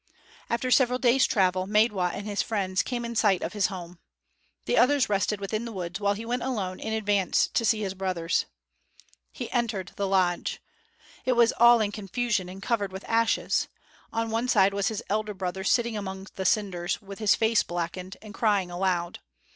After several days' travel, Maidwa and his friends came in sight of his home. The others rested within the woods while he went alone in advance to see his brothers. He entered the lodge. It was all in confusion and covered with ashes. On one side was his elder brother, sitting among the cinders, with his face blackened, and crying aloud.